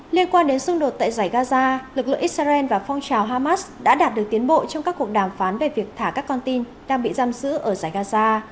liên quan đến xung đột tại giải gaza lực lượng israel và phong trào hamas đã đạt được tiến bộ trong các cuộc đàm phán về việc thả các con tin đang bị giam giữ ở giải gaza